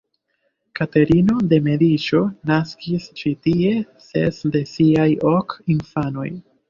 Katerino de Mediĉo naskis ĉi tie ses de siaj ok infanoj.